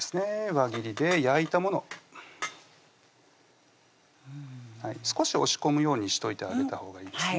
輪切りで焼いたもの少し押し込むようにしといてあげたほうがいいですね